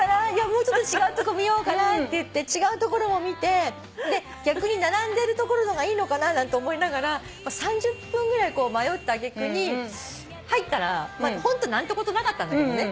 もうちょっと違うとこ見ようかなっていって違う所も見て逆に並んでる所の方がいいのかななんて思いながら３０分ぐらい迷った揚げ句に入ったらホント何てことなかったんだけどね。